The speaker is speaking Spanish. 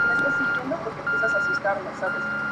Para los demás, Gabrielle era una mujer fría y despreocupada.